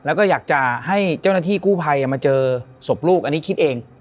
แล้วก็อยากจะให้เจ้าหน้าที่กู้ภัยมาเจอศพลูกอันนี้คิดเอง